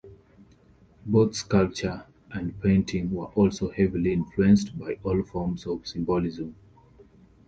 Both sculpture and painting were also heavily influenced by all forms of symbolism.